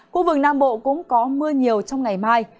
khu vực nam bộ cũng có mưa nhiều trong ngày mai